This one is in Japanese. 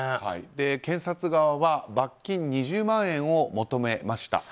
検察側は、罰金２０万円を求めました。